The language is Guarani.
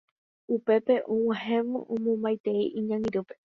Upépe og̃uahẽvo omomaitei iñangirũme